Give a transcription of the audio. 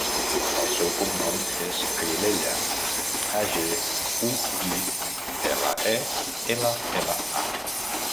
El seu cognom és Aguilella: a, ge, u, i, ela, e, ela, ela, a.